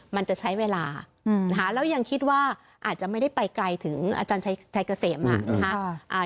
มันจะใช้เวลานะคะแล้วยังคิดว่าอาจจะไม่ได้ไปไกลถึงอาจารย์ชัยเกษมนะคะ